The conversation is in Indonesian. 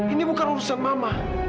ini bukan urusan mama